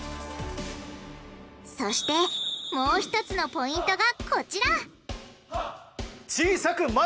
そしてもう１つのポイントがこちら！